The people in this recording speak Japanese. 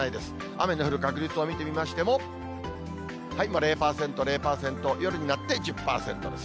雨の降る確率を見てみましても、０％、０％、夜になって１０％で